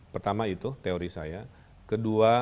pertama itu teori saya kedua